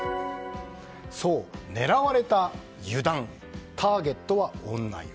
狙われた湯断ターゲットは女湯。